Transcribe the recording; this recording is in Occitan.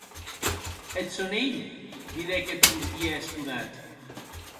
Eth sòn hilh!, didec eth portièr estonat.